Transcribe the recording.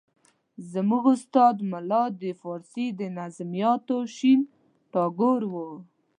زموږ استاد ملا د فارسي د نظمیاتو شین ټاګور وو.